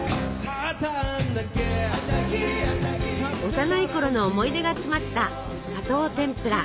幼いころの思い出が詰まった「砂糖てんぷら」。